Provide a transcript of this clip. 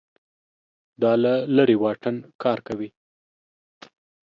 دا له لرې واټن کار کوي